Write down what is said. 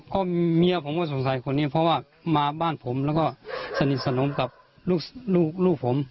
ก็เมียผมก็สงสัยคนนี้เพราะว่ามาบ้านผมแล้วก็สนิทสนมกับลูกผม